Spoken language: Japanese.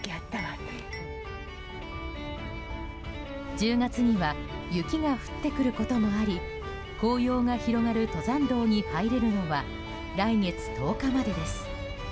１０月には雪が降ってくることもあり紅葉が広がる登山道に入れるのは来月１０日までです。